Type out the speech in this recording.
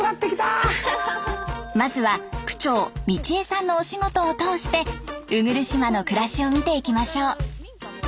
まずは区長美千枝さんのお仕事を通して鵜来島の暮らしを見ていきましょう。